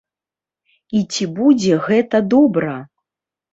І ці будзе гэта добра?